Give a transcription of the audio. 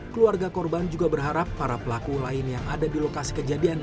keluarga korban juga berharap para pelaku lain yang ada di lokasi kejadian